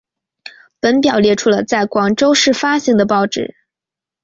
本表列出了在广州市发行的报纸。